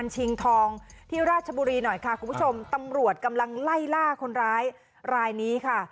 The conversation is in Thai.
ชิงทองที่ราชบุรีหน่อยค่ะคุณผู้ชมตำรวจกำลังไล่ล่าคนร้ายรายนี้ค่ะ